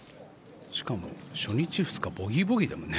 しかも初日、２日ボギー、ボギーだもんね